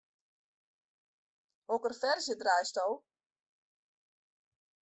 Hokker ferzje draaisto?